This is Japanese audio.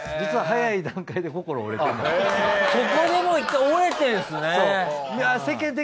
そこでもう１回折れてるんですね。